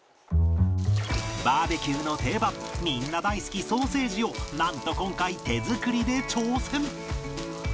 バーベキューの定番みんな大好きソーセージをなんと今回手作りで挑戦